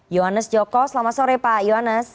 yohanes joko selamat sore pak yohanes